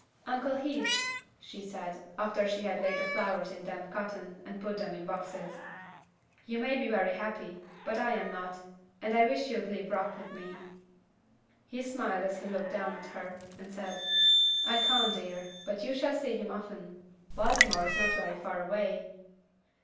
"Uncle Heath," she said, after she had laid the flowers in damp cotton, and put them in boxes, "you may be very happy, but I am not, and I wish you'd leave Rock with me." He smiled as he looked down at her, and said, "I can't, dear child, but you shall see him often. Baltimore is not very far away."